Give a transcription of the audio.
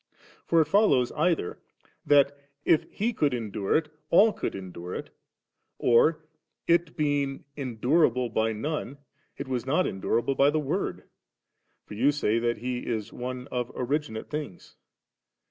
for it ibiloin either that, if He could endure it, all could endure it, or, it being endurable by none, it was not endurable by the Word, for you say that He is one of originate things.